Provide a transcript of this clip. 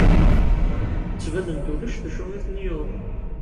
Ttbanen-d ulac d acu i ten-yuɣen.